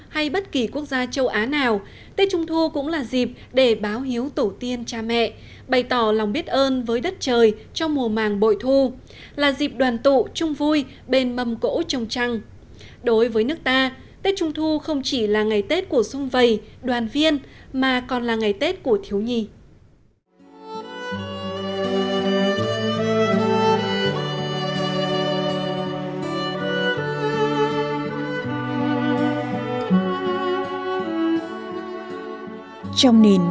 hãy nhớ like share và đăng ký kênh của chúng mình nhé